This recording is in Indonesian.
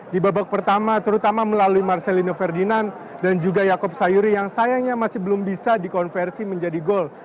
di babak pertama terutama melalui marcelino ferdinand dan juga yaakob sayuri yang sayangnya masih belum bisa dikonversi menjadi gol